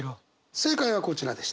正解はこちらです。